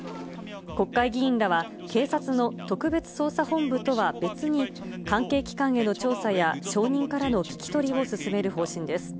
国会議員らは、警察の特別捜査本部とは別に、関係機関への調査や、証人からの聞き取りを進める方針です。